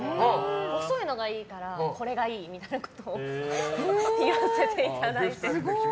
細いのがいいからこれがいいみたいなことを言わせていただいて。